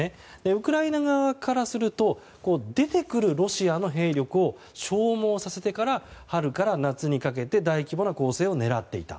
ウクライナ側からすると出てくるロシアの兵力を消耗させてから春から夏にかけて大規模な攻勢を狙っていた。